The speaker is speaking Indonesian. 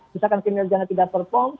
misalkan kinerjanya tidak perform